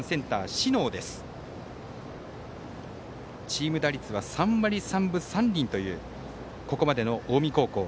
チーム打率は３割３分３厘というここまでの近江高校。